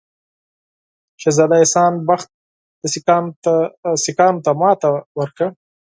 شهزاده احسان بخت سیکهانو ته ماته ورکړه.